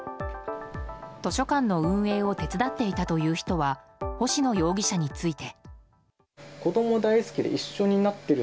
図書館の運営を手伝っていたという人は星野容疑者について。